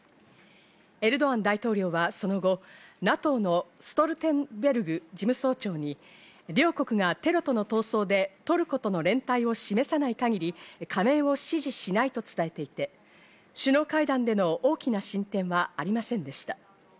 エルドアン大統領はその後、ＮＡＴＯのストルテンベルグ事務総長に両国がテロとの闘争でトルコとの連帯を示さない限り、加盟を支持しないと伝えていて、首脳会談での大きな進展はありませんでした。